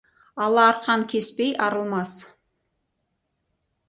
Ала арқан кеспей арылмас.